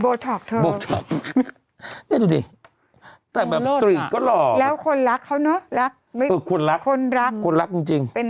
โบราณกินก็ด้วยและแก้วแล้วแกงหลักเขาเนอะและโดยควรรักคนดังกล้ามบุญหรือแภง